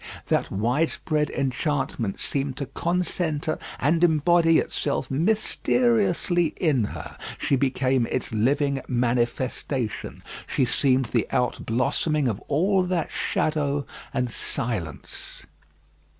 That widespread enchantment seemed to concentre and embody itself mysteriously in her; she became its living manifestation. She seemed the outblossoming of all that shadow and silence.